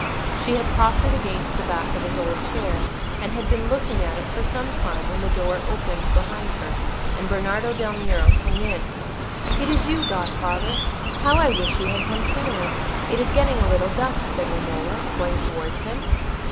She had propped it against the back of his old chair, and had been looking at it for some time, when the door opened behind her, and Bernardo del Nero came in. "It is you, godfather! How I wish you had come sooner! it is getting a little dusk," said Romola, going towards him.